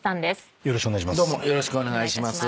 よろしくお願いします。